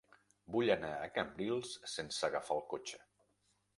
Vull anar a Cambrils sense agafar el cotxe.